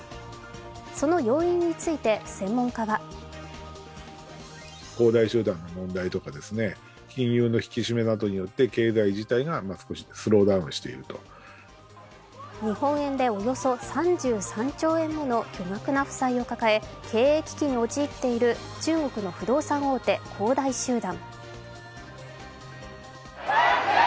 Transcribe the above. その要因について専門家は日本円でおよそ３３兆円もの巨額な負債を抱え経営危機に陥っている中国の不動産大手、恒大集団。